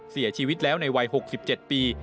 เสียชีวิตแล้วในวัย๖๗ปี